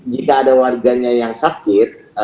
jika ada warganya yang sakit